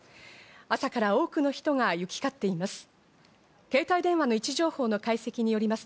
朝から多くの人が行きかっています。